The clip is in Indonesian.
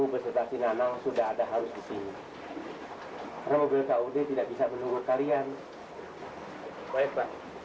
berserta sinanang sudah ada harus disini karena mobil kud tidak bisa menunggu kalian baik pak